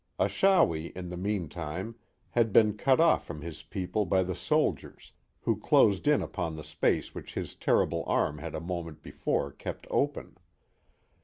Achawi, in the meantime, had been cut off from his people by the soldiers, who closed in upon the space which his terri ble arm had a moment before kept open.